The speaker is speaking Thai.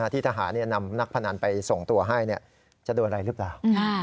ที่ทหารนำนักพนันไปส่งตัวให้จะโดนอะไรหรือเปล่า